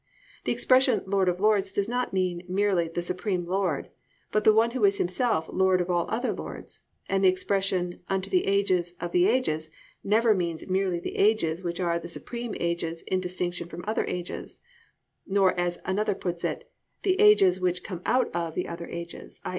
The expression "Lord of Lords" does not mean merely the supreme Lord, but one who is Himself Lord of all other Lords, and this expression "unto the ages of the ages" never means merely the ages which are the supreme ages in distinction from other ages (nor as another puts it, the ages which come out of the other ages, i.